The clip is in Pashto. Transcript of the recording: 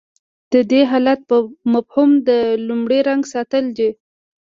د دې حالت مفهوم د لومړي رنګ ساتل دي.